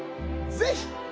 ぜひ！